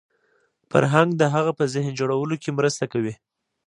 فرهنګ د هغه په ذهن جوړولو کې مرسته کوي